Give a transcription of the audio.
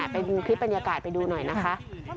ไปดูคลิปบรรยากาศไปดูหน่อยนะคะ